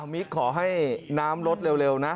มิกขอให้น้ำลดเร็วนะ